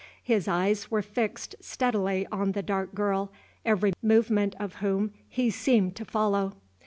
His eyes were fixed steadily on the dark girl, every movement of whom he seemed to follow.